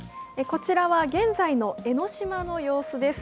こちらは現在の江の島の様子です。